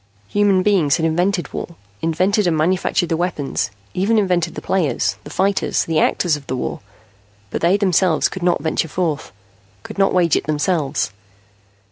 Human beings had invented war, invented and manufactured the weapons, even invented the players, the fighters, the actors of the war. But they themselves could not venture forth, could not wage it themselves.